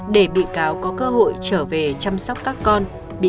để bị cáo có cơ hội trở về chăm sóc các con